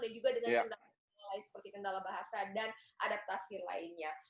dan juga dengan kendala bahasa dan adaptasi lainnya